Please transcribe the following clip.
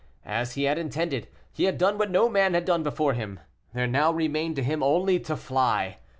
As he had intended, he had done what no man had done before him. There now remained to him only to fly.